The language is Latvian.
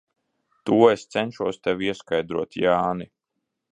To es cenšos tev ieskaidrot, Jāni.